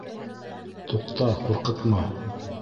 — Туҡта, ҡурҡытма!